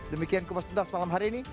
demikian kupas tuntas malam hari ini